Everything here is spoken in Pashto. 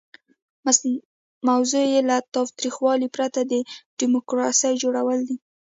موضوع یې له تاوتریخوالي پرته د ډیموکراسۍ جوړول دي.